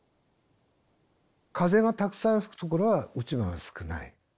風がたくさん吹くところは落ち葉が少ない。